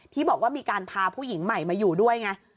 ที่บอกว่ามีการพาผู้หญิงใหม่มาอยู่ด้วยไง